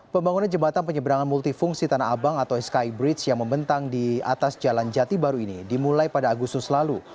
pembangunan jembatan penyeberangan multifungsi tanah abang atau skybridge yang membentang di atas jalan jati baru ini dimulai pada agustus lalu